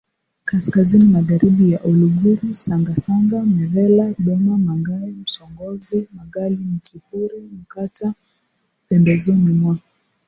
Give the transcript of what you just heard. kaskazini Magharibi ya Uluguru Sangasanga Merela Doma Mangae Msongozi Magali Mtipure Mkata pembezoni mwa